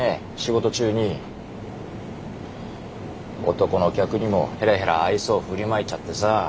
男の客にもヘラヘラ愛想振りまいちゃってさ。